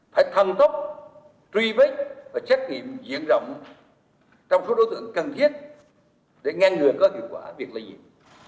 khi vết và trách nhiệm diễn rộng trong số đối tượng cần thiết để ngăn người có hiệu quả việc lây nhiễm